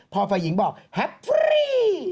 พอฝ่ายหญิงบอกแฮปฟรี